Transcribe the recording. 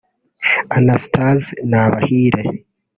Anastase Nabahire